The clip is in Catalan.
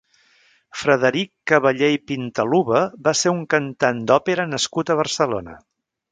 Frederic Caballé i Pintaluba va ser un cantant d'òpera nascut a Barcelona.